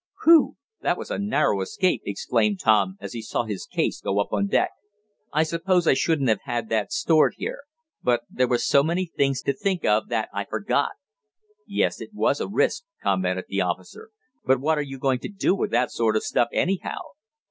"Whew! That was a narrow escape!" exclaimed Tom as he saw his case go up on deck. "I suppose I shouldn't have had that stored here. But there were so many things to think of that I forgot." "Yes, it was a risk," commented the officer. "But what are you going to do with that sort of stuff, anyhow?"